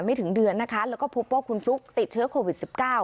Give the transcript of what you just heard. ถึงเดือนนะคะแล้วก็พบว่าคุณฟลุ๊กติดเชื้อโควิด๑๙